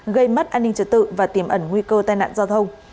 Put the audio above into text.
gây mất an ninh trật tự và tiềm ẩn nguy cơ tai nạn giao thông